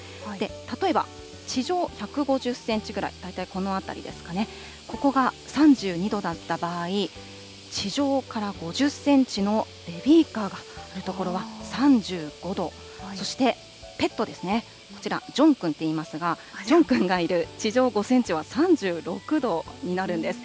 例えば地上１５０センチぐらい、大体この辺りですかね、ここが３２度だった場合、地上から５０センチのベビーカーがある所は３５度、そしてペットですね、こちら、ジョンくんっていいますが、ジョンくんがいる地上５センチは３６度になるんです。